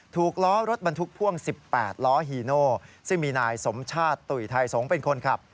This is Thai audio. ล้อรถบรรทุกพ่วง๑๘ล้อฮีโนซึ่งมีนายสมชาติตุ๋ยไทยสงฆ์เป็นคนขับ